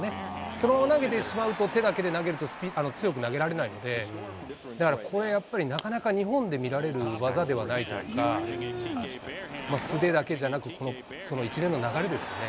そのまま投げてしまうと、手だけで投げると、強く投げられないので、だからこれ、やっぱりなかなか日本で見られる技ではないとか、素手だけじゃなく、一連の流れですね。